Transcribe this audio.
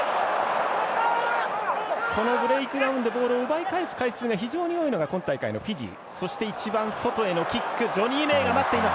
このブレイクダウンでボールを奪い返す機会が非常に多いのが今大会のフィジー。